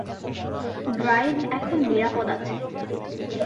Drive এখন নিরাপদ আছে।